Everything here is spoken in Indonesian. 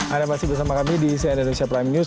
anda masih bersama kami di cnn indonesia prime news